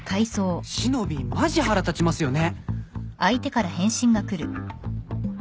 「しのびぃマジ腹立ちますよね」